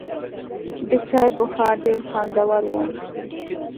د چای بخار ډېر خوندور و.